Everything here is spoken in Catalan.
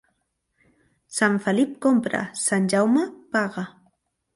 Sant Felip compra; Sant Jaume paga.